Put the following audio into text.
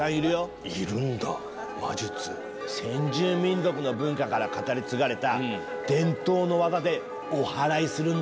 先住民族の文化から語り継がれた伝統の技でおはらいするんだ。